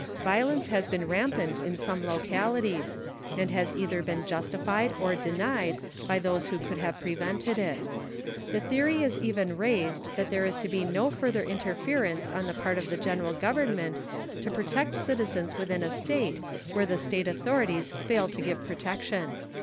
Violence has been rampant in some localities, and has either been justified or denied by those who could have prevented it. The theory is even raised that there is to be no further interference on the part of the General Government to protect citizens within a State where the State authorities fail to give protection.